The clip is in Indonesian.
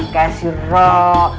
kayak si roh